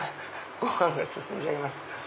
ご飯が進んじゃいます。